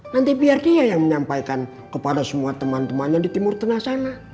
nanti biar dia yang menyampaikan kepada semua teman temannya di timur tengah sana